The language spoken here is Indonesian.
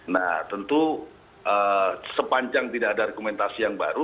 nah tentu sepanjang tidak ada argumentasi yang baru